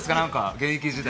現役時代。